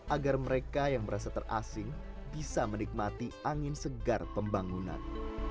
agar mereka yang merasa terasing bisa menikmati angin segar pembangunan